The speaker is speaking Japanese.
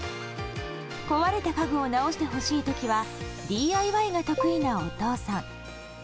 壊れた家具を直してほしいときはＤＩＹが得意なお父さん。